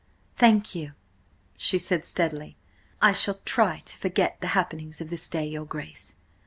"Thank you," she said steadily. "I shall try to forget the happenings of this day, your Grace.